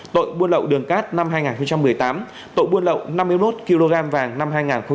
tội buôn lậu đường cát năm hai nghìn một mươi tám tội buôn lậu năm mươi lốt kg vàng năm hai nghìn hai mươi